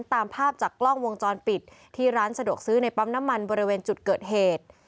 ตามภาพจากกล้องวงจรปิดที่ร้านสะดวกซื้อในปั๊มน้ำมันบริเวณจุดเกิดเหตุ